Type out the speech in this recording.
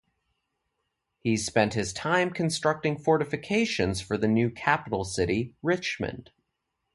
He spent his time constructing fortifications for the new capital city, Richmond.